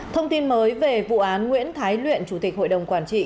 thông tin mới về vụ án nguyễn thái luyện chủ tịch hội đồng quản trị